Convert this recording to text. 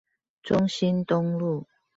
中興東路